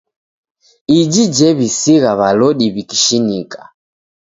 Iji jew'isigha w'alodi w'ikishinika.